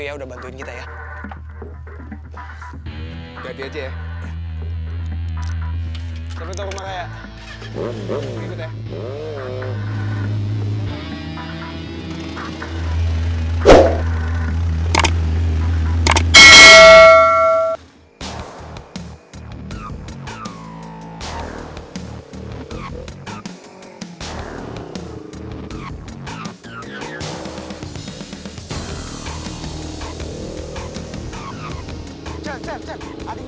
putan putan putan putan